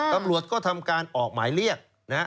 ตำรวจก็ทำการออกหมายเรียกนะฮะ